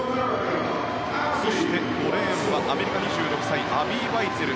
そして５レーンがアメリカ、２６歳アビー・ワイツェル。